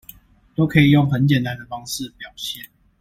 都可以用很簡單的方式表現